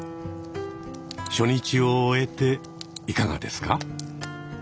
初日を終えていかがですか？